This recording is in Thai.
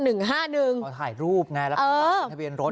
เอาถ่ายรูปไงแล้วก็ถ่ายทะเบียนรถ